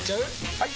・はい！